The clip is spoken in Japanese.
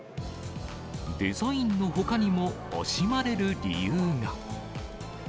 デザインのほかにも、惜しまれる理由が。